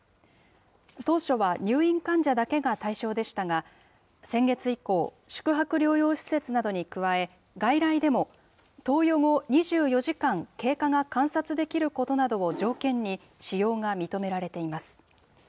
当初は入院患者だけが対象でしたが、先月以降、宿泊療養施設などに加え、外来でも投与後２４時間、経過が観察できることなどを条件に、使用が認められています。